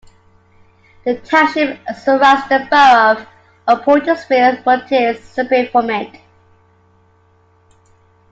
The township surrounds the borough of Portersville but is separate from it.